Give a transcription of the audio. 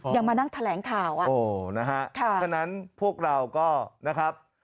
ยังมานั่งแถลงข่าวอ่ะโอ้นะฮะฉะนั้นพวกเราก็นะครับ